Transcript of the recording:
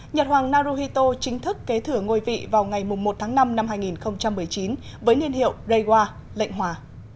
nhật hoàng naruhito chính thức kế thửa ngôi vị vào ngày một tháng năm năm hai nghìn một mươi chín với niên hiệu raywa lệnh hòa